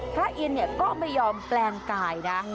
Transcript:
อินก็ไม่ยอมแปลงกายนะ